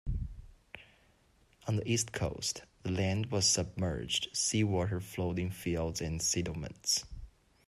On the east coast, the land was submerged, seawater flooding fields and settlements.